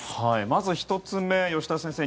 まず１つ目、吉田先生